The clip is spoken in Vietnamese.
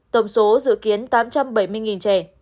tổng số dự kiến tám trăm bảy mươi trẻ